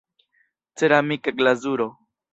Ceramika glazuro.